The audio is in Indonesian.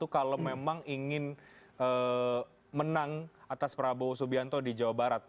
kalau memang ingin menang atas prabowo subianto di jawa barat